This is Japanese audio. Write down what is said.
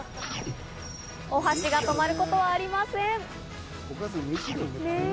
お箸が止まることはありません。